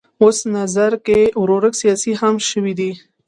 اوس نظرګی ورورک سیاسي هم شوی دی.